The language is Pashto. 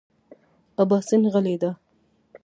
اباسین غلی دی .